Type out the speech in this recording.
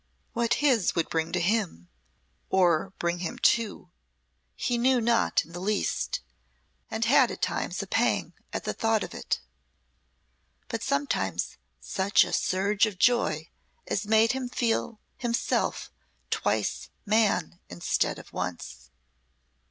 What his would bring to him, or bring him to, he knew not in the least, and had at times a pang at thought of it, but sometimes such a surge of joy as made him feel himself twice man instead of once.